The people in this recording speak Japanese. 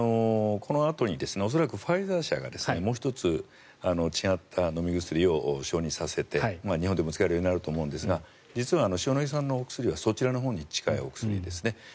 このあとに恐らくファイザー社がもう１つ違った飲み薬を承認させて日本でも使えるようになると思うんですが塩野義さんのお薬はそちらのほうに近いお薬ですね。